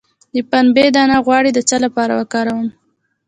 د پنبې دانه غوړي د څه لپاره وکاروم؟